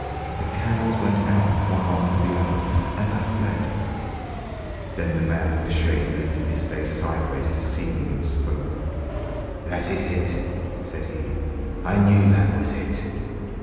"The candles went out one after another, and I fled—" Then the man with the shade lifted his face sideways to see me and spoke. "That is it," said he. "I knew that was it.